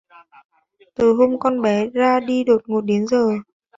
từ hôm con bé ra đi đột ngột đến giờ